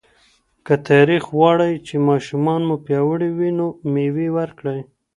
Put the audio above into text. که تاسو غواړئ چې ماشومان مو پیاوړي وي، نو مېوې ورکړئ.